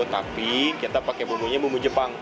tapi kita pakai bumbunya bumbu jepang